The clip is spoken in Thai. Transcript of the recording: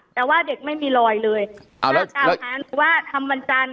แต่ว่าเด็กไม่มีลอยเลยถ้าตรงนั้นหรือว่าทำวันจันทร์